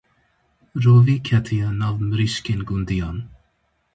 Rovî ketiye nav mirîşkên gundiyan.